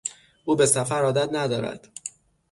او به سفر عادت ندارد.